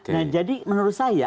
nah jadi menurut saya